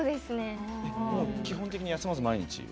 基本的に休まず毎日？